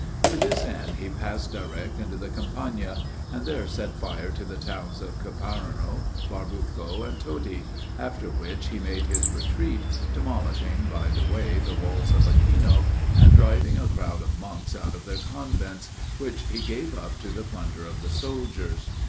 To this end, he passed direct into the Campagna, and there set fire to the towns of Ciparano, Barbuco, and Todi; after which, he made his retreat, demolishing by the way the walls of Aquino, and driving a crowd of monks out of their convents, which he gave up to the plunder of the soldiers.